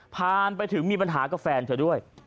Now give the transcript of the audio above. ผ่านไปถึงมีปัญหากับแฟนเธอด้วย